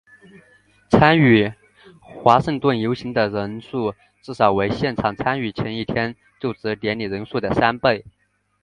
参与华盛顿游行的人数至少为现场参与前一天就职典礼的人数三倍。